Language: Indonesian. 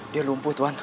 dia lumpuh tuan